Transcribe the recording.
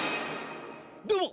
どうも！